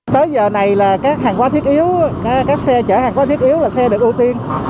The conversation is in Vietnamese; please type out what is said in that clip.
tới giờ này là các hàng hóa thiết yếu các xe chở hàng quá thiết yếu là xe được ưu tiên